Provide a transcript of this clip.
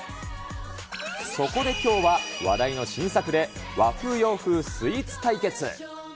そこできょうは、話題の新作で、和風洋風スイーツ対決。